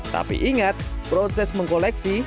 tapi ingat proses mengkoleksi